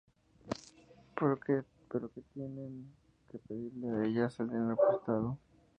Pero que tienen que pedirle ellas el dinero prestado.